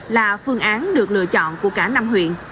là phương án được lựa chọn của cả năm huyện